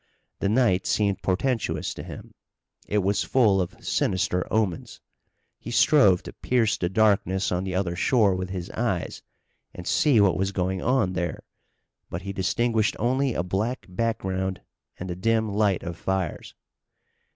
The night seemed portentous to him. It was full of sinister omens. He strove to pierce the darkness on the other shore with his eyes, and see what was going on there, but he distinguished only a black background and the dim light of fires.